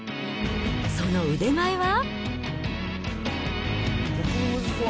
その腕前は？